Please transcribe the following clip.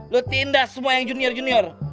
lu tindas semua yang junior junior